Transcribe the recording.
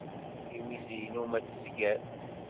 Tiwizi-inu ma tezger.